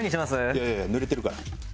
いやいやいや濡れてるから。